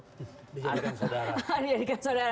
jadi di jadikan saudara